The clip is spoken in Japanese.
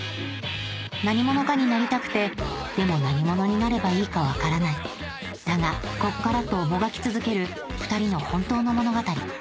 何者かになりたくてでも何者になればいいか分からないだが「こっから」ともがき続けるふたりの本当の物語